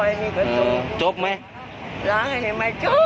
เอ้าแล้วหลานได้ส่งไหมหลาน